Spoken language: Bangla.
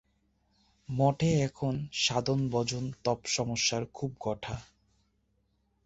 মঠে এখন সাধন-ভজন জপ-তপস্যার খুব ঘটা।